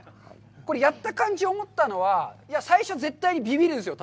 これ、やった感じ、思ったのは、最初、絶対にびびるんですよ。